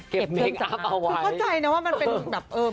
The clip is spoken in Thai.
เก็บเมคอัพเอาไว้คุณเข้าใจนะว่ามันเป็นแบบ